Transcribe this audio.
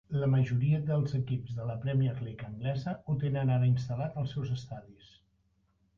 La majoria dels equips de la Premier League anglesa ho tenen ara instal·lat als seus estadis.